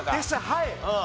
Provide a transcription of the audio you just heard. はい！